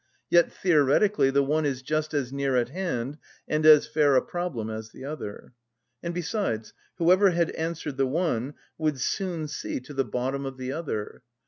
Yet theoretically the one is just as near at hand and as fair a problem as the other; and besides, whoever had answered the one would soon see to the bottom of the other.